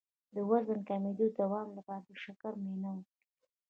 د وزن د کمیدو د دوام لپاره د شکر معاینه وکړئ